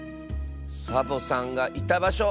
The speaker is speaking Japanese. サボさんがいたばしょ。